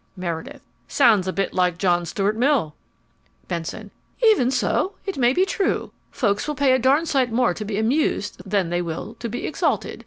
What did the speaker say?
MEREDITH Sounds a bit like John Stuart Mill. BENSON Even so, it may be true. Folks will pay a darned sight more to be amused than they will to be exalted.